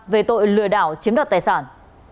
về tội lừa đảo chiếm đoạt tài sản